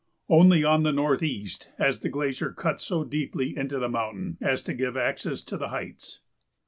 Only on the northeast has the glacier cut so deeply into the mountain as to give access to the heights.